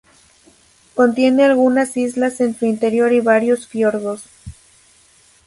Contiene algunas islas en su interior y varios fiordos.